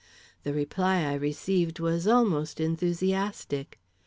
The reply I received was almost enthusiastic.